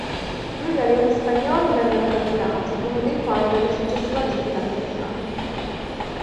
Due galeoni spagnoli vennero catturati, uno dei quali venne successivamente dato alle fiamme.